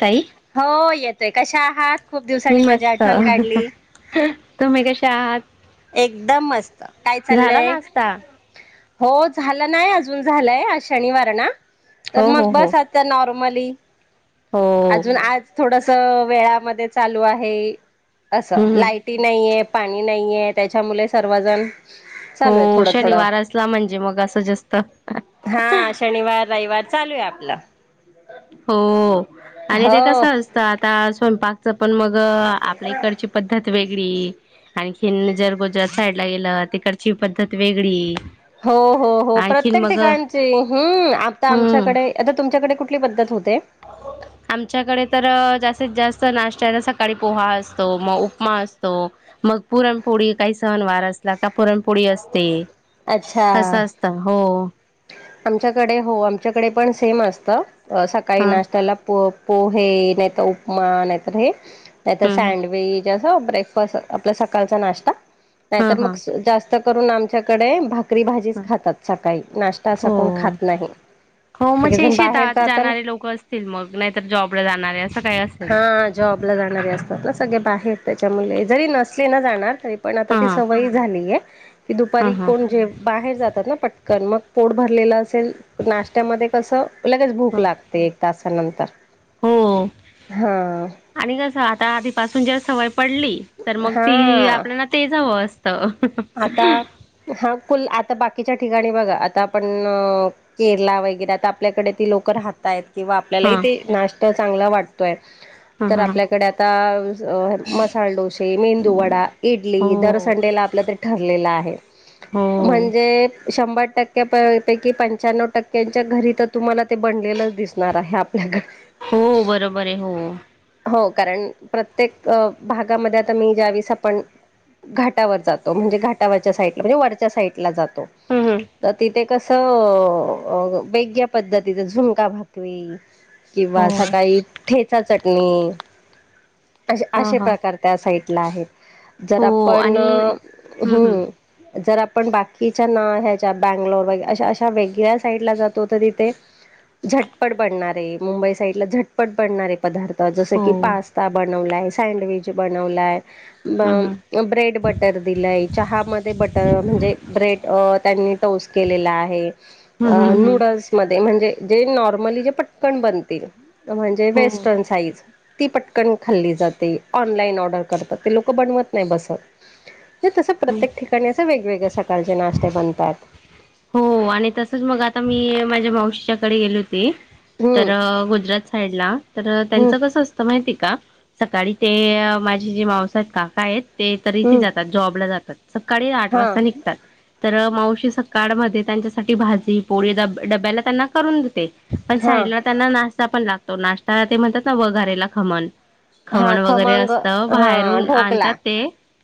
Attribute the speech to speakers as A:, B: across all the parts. A: ताई
B: हो येतोय, कशा आहात? खूप
A: मी
B: दिवसांनी माझी
A: मस्त
B: आठवण काढली.
A: तुम्ही कशा आहात?
B: एकदम मस्त, काय
A: झाला
B: चाललय?
A: नाश्ता
B: हो झालं नाही अजून झालंय, आज शनिवार आहे ना? तर
A: हो
B: मग
A: हो हो
B: बस आ नॉर्मली,
A: हो
B: अजून आज थोडस वेळामध्ये चालू आहे. अस
A: हम्म.
B: लाईट. नाहीय आहे पाणी नाहीये त्याच्यामुळे सर्वजण चालू आहे
A: हो
B: थोडं थोडं
A: शनिवार असला म्हणजे मग असं जास्त
B: हा शनिवार, रविवार, चालू आहे आपलं
A: हो, आणि ते कस
B: हो
A: असतं आता स्वयंपाक पण मग आपल्या इकडची पद्धत वेगळी, आणखी जरगोजर साड गेलं, तिकडची पद्धत वेगळी.
B: हो हो हो,
A: आणखीन
B: प्रत्येक
A: मग
B: ठिकाणची, हम् आता
A: हम्म
B: आमच्याकडे आता तुमच्याकडे कुठली पद्धत होतें?
A: [inaudible] आमच्याकडे तर जास्तीत जास्त नाश्त्याला सकाळी पोहा असतो, मग उपमा असतो. मगं पूरणपोळी काय सन वार असतं मगं आता पुरणपोळी असते.
B: अच्छा
A: असं असतं, हो.
B: आमच्याकडे हो, आमच्याकडे पण सेम असतं. सकाळी
A: हां
B: नाश्त्याला पो पोहे नाहीतर उपमा नाहीतर हे, नाहीतर
A: हं
B: सँडविच. कसं ब्रेक फास्ट, आपला सकाळचा नाश्ता
A: हां
B: नाहीतर
A: हां
B: मगं जास्त जास्तं करूंन आमच्याकडे भाकरी
A: हां
B: -भाजीचं खातात सकाळी. नाश्ता असा
A: हो,
B: कोण खात नाही
A: हो, म्हंजे
B: सगळेजण बाहेर
A: शेतात
B: जाताना
A: जाणारे लोक असतील मगं, नाही तर जॉब ला जाणारे असतील
B: हां जॉबला जाणारे असतात ना सगळे बाहेर त्याच्यामुळे, जरी नसले ना जाणारं तरी पण आता
A: हां
B: ती
A: हां
B: सवयच झाली ये, की
A: हां
B: दुपारी
A: हां
B: कोण जेवत बाहेर जातात ना पट्कन, मगं पोट भरलेलं असेल, नाश्ता मध्ये कसं लगेच भूक
A: हां
B: लागते. ते एक तासांनंतर.
A: हो.
B: हां
A: आणि कसं आता आधीपासून जर सवय पडली, तर मग ती
B: हा
A: आपल्याला तेच हवं अस [unintelligible]
B: आता, हा कुल, आता बाकीच्या ठिकाणी बघा आता आपणं केरला वगैरे, आता आपल्याकडे ती लोकं राहतायेत किंवा आपल्यालाही
A: हां
B: ते नाश्ता चांगला वाटतोय,
A: हां
B: तर
A: हां
B: आपल्याकडे आत ता अ मसाले डोसे, मेंदू वडा, इडली
A: हो.
B: दर संडेला आपल्या ते ठरलेला आहे.
A: हो.
B: म्हणजे शंभर टक्क्या प पैकी पंच्याण्णव टक्क्यांच्या घरी त तुम्हाला ते बनलेलंच दिसणार आहे. आपल्या घ
A: हो बरोबर ये हो.
B: हो कारणं, प्रत्येक भागामध्ये आता मी ज्या वेळीस आपण घाटावर जातो, म्हणजे घाटावरच्या साईटला म्हणजे वरच्या साईटला जातो.
A: हूं हूं
B: म तिथे कसं, वेगळ्या पद्धतीच झुणका भाकरी
A: हो
B: किंवा,
A: ह
B: सकाळी ठेचा चटणी असे, असे
A: ह
B: प्रकार त्या साईटला आहेत.
A: हो
B: जरा पण
A: आणि
B: हम्म जर आपण बाकीच्या ना ह्याच्या बँगलोर व अशा, अशा वेगळ्या साईटला जातो त तिथे झटपट बनणारे, मुंबई साईटला झटपट बनणारे पदार्थ, जसं
A: हो.
B: की पास्ता बनवलाय, सँडविच बनवलाय. म
A: हम्म हम्म
B: ब्रेड बट टर दिलाय, चहा मध्ये बटर म्हणजे ब्रेड त्यांनी टोस् केलेला आहे. अ
A: हम्म हम्म
B: नूडल्स मध्ये, म्हणजे जे नॉर्मली जे पटकन बनतील. त म्हणजे
A: हम्म
B: वेस्टर्न साईज ती पटकन खाल्ली जाते. ऑनलाईन ऑर्डर करतात ते लोक बनवत नाय बसतं. तर तसं
A: हो.
B: प्रत्येक ठिकाणी असं वेगवेगळे सकाळचे नाश्ते बनतायेत.
A: हो, आणि तसंच मगं आता मी माझ्या मावशीच्या कडे गेले होते. तर
B: हम्म
A: गुजरात साईडला तर त्यांच
B: हम्म
A: कसं असं तर माहिती का, सकाळी ते माझे जे मावसा येत काका येत. ते, तर इथे
B: हम्म
A: जातात जॉबला जातात, सकाळी आठ
B: हा
A: वाजता निघतात. तर मावशी स काडमध्ये त्यांच्यासाठी भाजी पोळी डब्य, डब्याला त्यांना करून देते. पण
B: हा
A: साईडला त्यांना नाश्ता पण लागतो. नाश्ता ते म्हणतात ना वघारेला खमन
B: हा
A: खमण वगैरे
B: खमंग
A: असत.
B: हा
A: बाहेरून
B: ढोकला
A: आणतात ते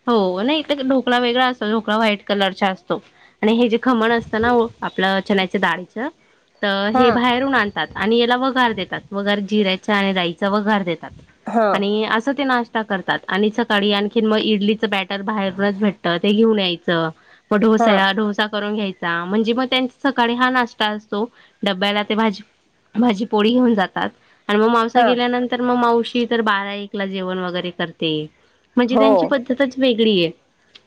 A: हो नाही इथ ढोकळा वेगळा असतो. ढोकळा व्हाईट कलरच्या असतो आणि हे जे खमण असत ना आपलं चन्याच्या डाळीच त हे
B: हा
A: बाहेरून आण आणि याला वगार देतात. वागार जिऱ्याचा आणि राईचा वगार देतात
B: हा
A: आणि असं ते नाश स्टा करतात. आणि सकाळी आणखीन म इडलीचं बॅटर बाहेरूनच भेटत ते घेऊन यायचं म
B: हा
A: डोस्या डोस करुन घ्यायचा, म्हणजे म त्यांचं सकाळी हा नाश्ता असतो. डब्याला ते भाजी भाजी पोळी घेऊन जातात. आणि म मावसा
B: हा
A: गेल्यानंतर म मावशी तर बारा एक ला जेवण वगैरे करते. म्हणजे
B: हो
A: त्यांची पद्धतच वेगळी ये.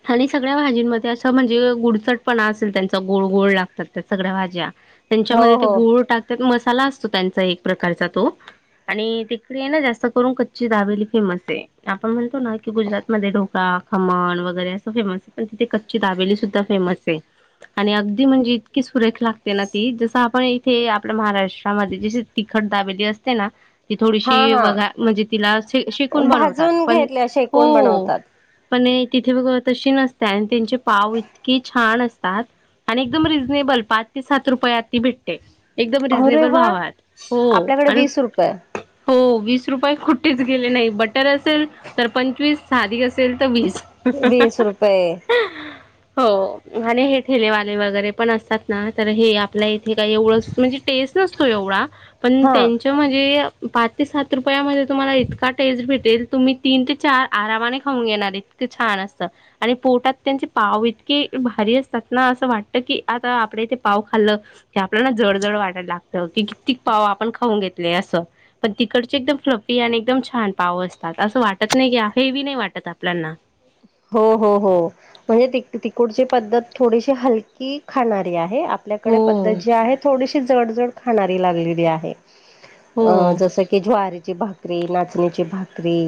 A: आणि सगळ्या भाजींमध्ये असं म्हणजे गुडचट पणा असेल त्यांचा गोळ गोळ लागतात त्या सगळ्या भाज्या
B: हो
A: त्यांच्यामध्ये ते
B: हो
A: गुळ टाक त्यात मसाला असतो. त्यांचा एक प्रकारचा तो आणि तिकडे ये ना जास्त करून कच्ची दाबेली फेमस ये. आपण म्हणतो ना की गुजरात मध्ये डोकळा खमण वगैरे असं फेमस आहे. पण तिथे कच्ची दाबेली सुद्धा फेमस आहे. आणि अगदी म्हणजे इतकी सुरेख लागते ना ती जसं आपण इथे आपल्या महाराष्ट्रामध्ये ज तिखट दाबेली असते ना ती
B: हा
A: थोडीशी
B: हा
A: वघा म्हणजे तिला श शेकून बनवतात
B: भाजून
A: पण.
B: घेतले शेकून
A: हो.
B: बनवतात
A: पण तिथे बघ तशी नसते आणि त्यांचे पाव इतकी छान अस तात आणि एकदम रिजनेबल पाच ते सात रुपयात ती भे एकदम
B: अरे
A: रिजनेबल
B: वा
A: भावात. हो.
B: आपल्याकडे
A: आणि
B: वीस रुपये
A: हो वीस रुपये कुठेच गेले नाही. बटर असेल तर पंचवीस साध असेल तर वीस.
B: वीस रुपये
A: हो. आणि हे ठेलेवाले वगैरे पण असतात ना तर हे आपल्या इथे काही एवढं म्हणजे टेस्ट नसतो एवढा. पण
B: हा
A: त्यांची म्हणजे पाच ते सात रुपया मध्ये तुम्हाला इतका टेस्ट भेटेल तुम्ही तीन ते चार आरामाने खाऊन घेणार इतकं छान असता आणि पोटात त्यांचे पाव इतके भारी असतात ना. असं वाटत की आता आपडे इथे पाव खाल्लं क आपल्याला जड जड वाटायला लागतं की किततीक पाव आपण खाऊन घेतले असं. पण तिकडचे एकदम फ्लफी आणि एकदम छान पाव असतात असं वाटत नाही का्या हेवी नाही वाटत आपल्याना‌.
B: हो हो हो. म्हणजे त तिकुडची पद्धत थोडीशी हलकी खाणारी आहे. आपल्याकडे
A: हो,
B: पद्धत जी आहे थोडीशी जड जड खाणारी लागलेली आहे.
A: हो,
B: अ जसं क की ज्वारीची भाकरी, नाचणीची भाकरी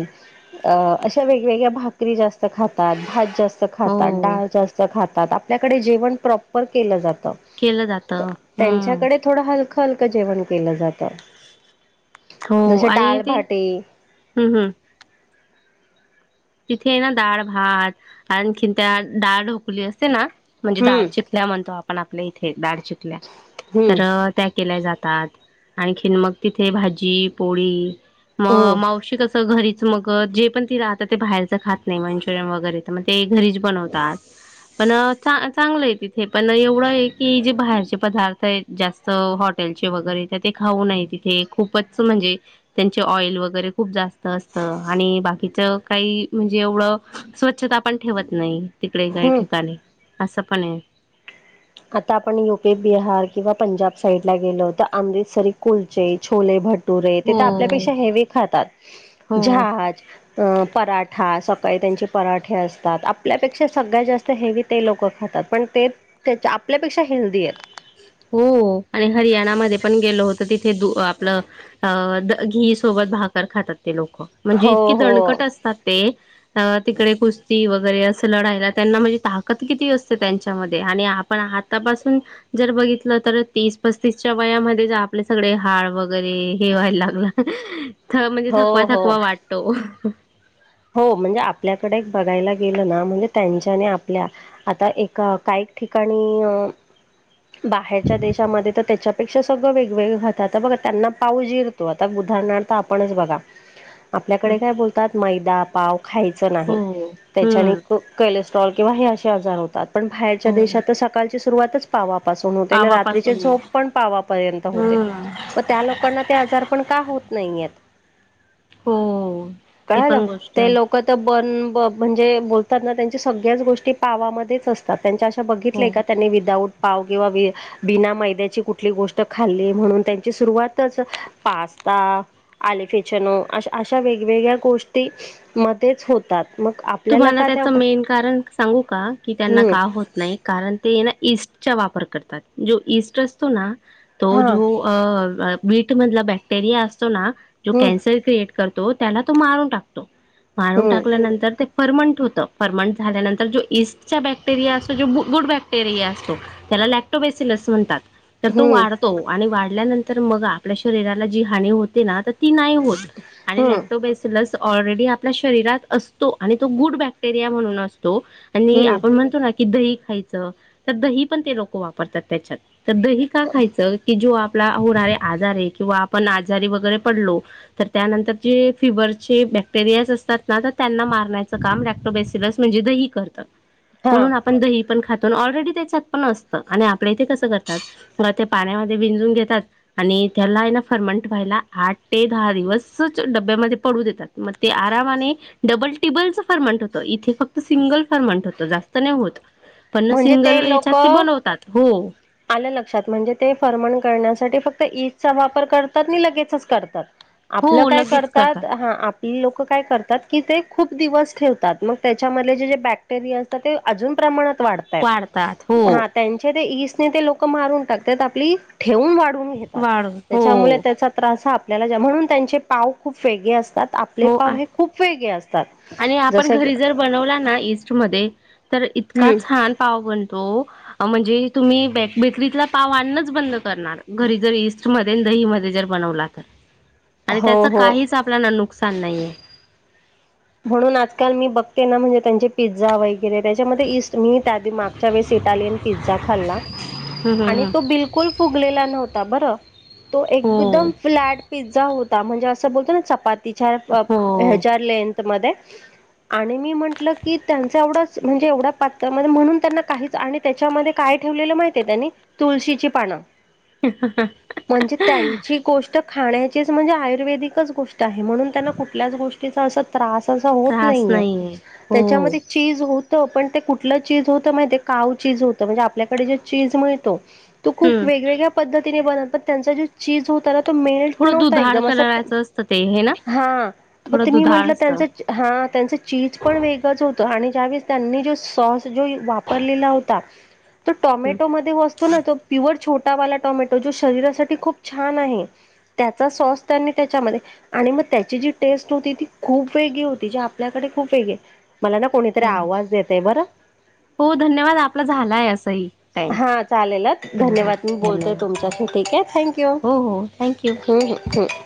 B: अ अशा वेगवेगळ्या भाकरी जास्त खातात. भात जास्त खातात.
A: हो.
B: डाळ जास्त खातात. आपल्याकडे जेवण प्रॉपर केल जात.
A: केलं जातं
B: त्यांच्याक
A: हम्म
B: थोडं हलकं हलकं जेवण केलं जात. जसे डालभाटी,
A: हम् हम. तिथे आहे ना डाळ भात आणखीन त्या डाळ ढोकली असते ना म्हणजे डाळ
B: हम्म
A: ल्या म्हणतो आपण आपल्या इथे दडाळ चिकल्या
B: हम्म
A: तर त्या केल्या जातात. आणखीन मग तिथे भाजी पोळी म
B: हम्म
A: मावशी घरीच मग जे पण ती राह ते बाहेरचं खात नाही मंचुरियन वगैरे तर मग ते घरीच बनवतात. पण चांगलं आहे तिथे पण एवढं आहे की, जे बाहेरचे पदार्थ आहेत. जास्त हॉटेलचे वगैरे त्या ते खाऊ नये. तिथे खूपच म्हणजे त्यांचे ऑइल वगैरे खूप जास्त असत आणि बाकीच काही म्हणजे एवढं स्वच्छता पण ठेवत नाही. तिकडे काही
B: हम्म
A: ठिकाणी. असं पण हाय.
B: आता आपण यु पी बिहार किंवा पंजाब साईडला गेलो तर अमृतसरी, कुलचे, छोले, भट्ट टुरे ते तर
A: हो.
B: आपल्यापेक्षा हेवी खातात.
A: हो.
B: जहा अ पराठा सकाळी त्यांचे पराठे असतात. आपल्यापेक्षा सगळ्यात जास्त हेवी ते लोकं खातात. पण ते त्याच्या आपल्यापेक्षा हेल्दी आहेत.
A: हो. आणि हरियाणामध्ये पण गेलं होतं तिथे द आपलं हां अ द घीसोबत भाकर खातात ते लोकं म्हणजे
B: हो,
A: इतकी
B: हो,
A: दणकट असतात ते. अ तिकडे कुस्ती वगैरे असं लढायला त्यांना म्हणजे ताकद किती असते त्यांच्यामध्ये आणि आपण आ तपासून जर बघित तर तीस पस्तीसच्या वयामध्ये आपले सगळे हाड वगैरे हे व्हायला लागला. म्हणजे थकवा
B: हो, हो.
A: थकवा वाटतो.
B: हो म्हणजे आपल्याकडे बघायला गेलं ना म्हणजे त्यांच्याने आपल्या आता एक काही ठिकाणी अ बाहेरच्या देशामध्ये तर त्याच्यापेक्षा सगळं वेगवेगळं खातात बघ त्यांना पाऊजीर तो आता उदाहरणार्थ आपणच बघा.
A: [inaudible]
B: आपल्याकडे काय बोलतात मैदा पाव खायचा नाही
A: हो
B: त्याच्याने
A: हम्म
B: क कलेस्ट्रॉल किंवा हे असे आजार होतात पण बाहेरच्या
A: हो
B: देशात तर सकाळची सुरुवातच पावापासून होते आणि रात्रीची
A: पावापासून
B: झोप पण पावापर्यंत होते.
A: हम्म
B: व त्या लोकांना ते आजार पण का होत नाही आहेत?
A: हो ती पण गोष्ट आहे.
B: क त बन म्हणजे बोलतात ना त्यांच्या सगळ्याच गोष्टी पावामध्येच अस तात त्यांच्या अशा बघितल्याय
A: हो
B: का त्यांनी विदाउट पाव किंवा वी बिना मैद्याची कुठली गोष्ट खाल्लीये म्हणून त्यांची सुरुवातच पास्ता आलिफेचनो अशा वेगवेगळ्या गोष्टी मध्येच हो तात मग आपल्याला
A: तुम्हाला
B: का त्या
A: त्याचं मेन कारण सांगू का की त्यांना
B: हम्म
A: का होत नाही? कारण ते ना ईस्टचा वापर करतात जो ईस्ट असतो ना तो
B: हा
A: जो अ बीटमधला बॅक्टेरिया असतो ना जो
B: हम्म
A: कॅन्सर क्रिएट करतो त्याला तो मारून टाकतो मारून
B: हम्म
A: टाकल्यानंतर ते परर्मंट होतं परर्मनंट झाल्यानंतर जो इस्टचा बॅक्टेरिया असतो जो जो गुड बॅक्टेरिया असतो. त्याला लॅक्टोबेसिल असं म्हणतात. तर तो
B: हम्म
A: वाढतो आणि वाढल्यानंतर मग आपल्या शरीराला जी हानी होते ना तर ती नाही होत आणि
B: हम्म
A: लॅप्टोबेसलस ऑलरेडी आपल्या शरीरात असतो आणि तो गुड बॅक्टेरिया म्हणून असतो आणि
B: हम्म
A: आपण म्हणतो ना की दही खायचं तर दही पण ते लोकं वापरतात त्याच्यात तर दही का खायचं? की जो आपला होणारा आजार आहे किंवा आपण आजारी वगैरे पडलो. तर त्यानंतर जे फिवरचे बॅक्टेरियाज असतात ना त्यांना मार काम लॅक्टोबेसिलस म्हणजे दही करतं
B: हा
A: म्हणून आ पण दही पण खातो ना ऑलरेडी त्याच्यात पण असतं आणि आपल्या इथे कसं करतात. मग ते पाण्यामध्ये भिंजून घेतात. आणि त्याला आहे ना फर्मंट व्हायला आठ ते दहा दिवसच डब्यामध्ये पडू देतात. म ते आरामाने डब्बल तिब्बलच फर्मंट होतं इथे फक्त सिंगल फर्मंट होतं जास्त नाही होत. पण
B: म्हणजे ते
A: सिंगल ह्याच्यात
B: लोक
A: तिब्बल होतात हो.
B: आलं लक्षात म्हणजे ते फर्मंट करण्यासाठी फक्त वापर करतात आणि लगेचच काढतात. आपलं
A: हो
B: काय
A: लगेच
B: करतात हां आ पली लोकं काय करतात की ते खूप दिवस ठेवतात मग त्याच्यामधले जे बॅक्टेरिया असतात ते अजून प्रमाणात
A: वाढतात
B: वाढतायेत
A: हो
B: हा त्यांच्या ते इस्टने ते लोकं मारून टाकतात आपली ठेवून वाढवून घेतात
A: वाढ हो
B: त्याच्यामुळे त्याचा त्रास हा आपल्याला ज्या म्हणून त्यांचे पाव खूप वेगळे असतात आपले
A: हो
B: पाव हे खूप वेगळे असतात.
A: आणि आपण
B: जसं की
A: घरी जर बनवला ना ईस्टमध्ये तर इतका
B: हम्म
A: छान पाव बनतो अ म्हणजे तुम्ही बेकरीतला पाव आणणच बंद घरी जर ईस्टमध्ये आणि दहीमध्ये जर बनवला तर आणि
B: हो
A: त्याचं
B: हो.
A: काहीच आप आपल्याला नुकसान नाही आहे.
B: म्हणून आजकाल मी बघते ना म्हणजे त्यांचे पिझ्झा वगैरे त्याच्यामध्ये ईस्ट मीतर मागच्या वेळेस इटालियन पिझ्झा खाल्ला
A: हम्म हम्म
B: आणि
A: हम्म.
B: तो बिल कुल फुगलेला नव्हता बर तो
A: हो
B: एकदम फ्लॅट. पिझ्झा होता म्हणजे असं बोलतो ना चपातीच्या
A: हो
B: ह्याच्या लेंथ मध्ये. आणि मी म्हटलं की त्यांच एवढंच म्हणजे एवढं पातळमध्ये म्हण म्हणून त्यांना काहीच आणि त्याच्यामध्ये काय ठेवलेलं माहितेय त्यांनी तुळशीची पानं.
A: ह.
B: म्हणजे त्यांची गोष्ट खाण्याचीच म्हणजे आयुर्वेदिकच गोष्ट आहे म्हणून त्यांना कुठल्याच गोष्टी. त्त्याचा असा त्रास अस होत
A: त्रास
B: नाहीे
A: नाहीये हो
B: त्याच्यामध्ये. चीज होत पण ते कुठलं चीज होतं माहि काव चीज होत म्हणजे आपल्याकडे जे चीज मिळतो. तो खूप
A: हम्म
B: वेगवेगळ्या पद्धतीने बन प त्यांचा जो चीज होता ना. तो मेल्ट
A: थोडं
B: नव्हता
A: दुधाळ
B: एकदम असं
A: कलराचं असतं ते हे ना
B: हा म
A: थोडं
B: किनी
A: दुधाळ
B: म्हटलं.
A: असतं
B: हा त्यांचं चीज पण वेगंच होतं आणि ज्यावेळेस त्यांनी जो सॉस जो वापरलेला होता. तो
A: हम्म
B: टॉमॅटो मध्ये वसतो ना तो प्युअर छोटावाला टोमॅटो जो शरीरासाठी खूप छान आहे. त्याचा सॉस त्यानी त्याच्यामध्ये आणि मग त्याची जी टेस्ट होती ती. खूप वेगळी होती जी आपल्याकडे खूप वेग मला ना कोणीतरी
A: हो
B: आवाज देतय बरं.
A: हो धन्यवाद आपला झालाय असंही टाइम
B: हा चालेल
A: हो हो
B: धन्यवाद मी बोलतोय
A: धन्यवाद
B: तुमच्याशी ठीक हे.
A: हो
B: थँक्यू
A: हो थँक्यू
B: ह् ह्.